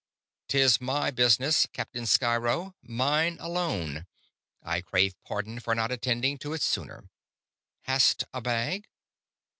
"'Tis my business, Captain Sciro; mine alone. I crave pardon for not attending to it sooner. Hast a bag?"